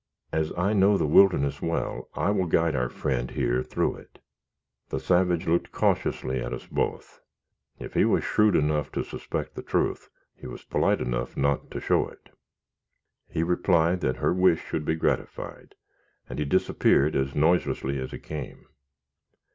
As I know the wilderness well, I will guide our friend here through it." The savage looked cautiously at us both. If he was shrewd enough to suspect the truth, he was polite enough not to show it. He replied that her wish should be gratified, and he disappeared as noiselessly as he came.